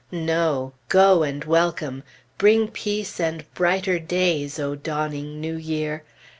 No! Go and welcome! Bring Peace and brighter days, O dawning New Year.